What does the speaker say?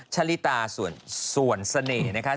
ชะลิตาส่วนเสน่ห์นะคะ